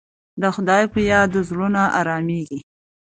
د خدای په یاد زړونه ارامېږي.